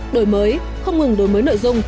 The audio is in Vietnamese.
đổi mới không ngừng đổi mới nội dung